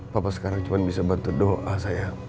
papa sekarang cuma bisa bantu doa sayang